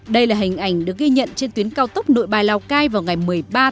đây là hình ảnh được ghi nhận trên tuyến cao tốc nội bài lào cai vào ngày một mươi ba tháng năm